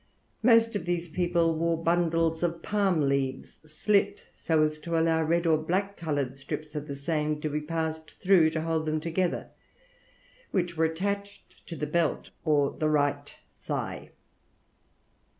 Most of these people wore bundles of palm leaves, slit so as to allow red or black coloured strips of the same to be passed through to hold them together, which were attached to the belt or the right thigh.